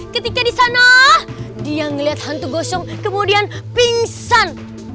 ketika disana dia ngelihat hantu gosyong kemudian pingsan